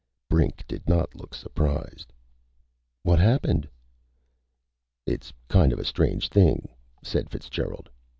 Brink did not look surprised. "What happened?" "It's kind of a strange thing," said Fitzgerald.